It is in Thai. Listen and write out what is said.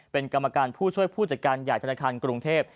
เป็นกรรมการผู้ช่วยผู้จัดการใหญ่ธนาคารกรุงเทพ